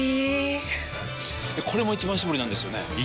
これも「一番搾り」なんですよね